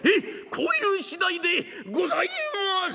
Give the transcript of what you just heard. こういう次第でございます！」。